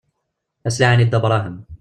Ad s-laɛin i Dda Brahem.